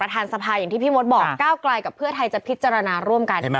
สภาอย่างที่พี่มดบอกก้าวไกลกับเพื่อไทยจะพิจารณาร่วมกัน